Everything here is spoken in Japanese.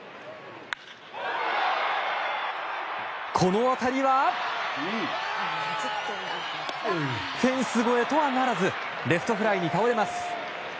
この当たりはフェンス越えとはならずレフトフライに倒れます。